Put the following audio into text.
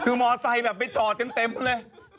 คือมอเซอร์วินไปจอดกันเต็มเลย